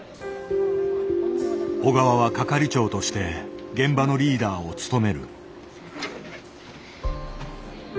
小川は係長として現場のリーダーを務める。